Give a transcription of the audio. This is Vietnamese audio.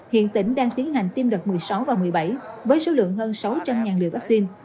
hiện tỉnh đang tiến hành tiêm đợt một mươi sáu và một mươi bảy với số lượng hơn sáu trăm linh liều vaccine